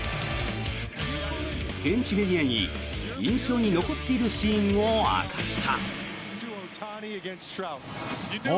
現地メディアに印象に残っているシーンを明かした。